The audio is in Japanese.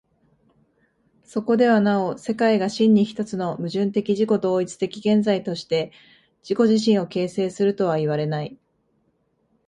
そこではなお世界が真に一つの矛盾的自己同一的現在として自己自身を形成するとはいわれない。